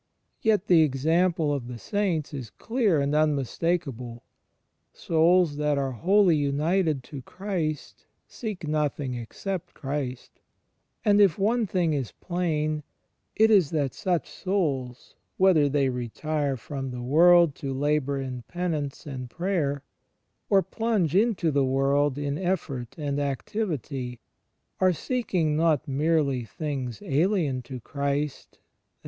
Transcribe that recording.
Yet the example of the saints is clear and immistak able. Souls that are wholly imited to Christ seek nothing except Christ; and, if one thing is plain, it is that such souls, whether they retire from the world to labour in penance and prayer or plimge into the world in effort and activity, are seeking not merely things alien to Christ that t!